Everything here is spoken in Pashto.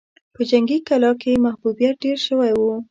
په جنګي کلا کې يې محبوبيت ډېر شوی و.